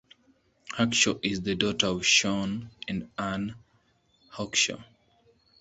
Hawkshaw is the daughter of Sean and Anne Hawkshaw.